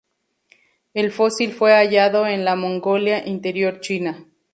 El fósil fue hallado en la Mongolia Interior, China.